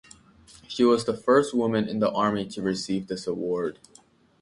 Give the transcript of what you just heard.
She was the first woman in the Army to receive this award.